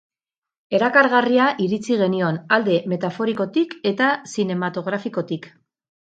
Erakargarria iritzi genion, alde metaforikotik eta zinematografikotik.